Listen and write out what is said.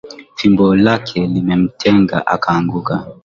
Fimbo lake lilimtega akaanguka